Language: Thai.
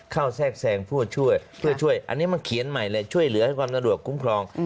แทรกแซงผู้ช่วยเพื่อช่วยอันนี้มันเขียนใหม่เลยช่วยเหลือให้ความสะดวกคุ้มครอง